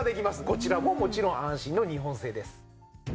こちらももちろん安心の日本製です。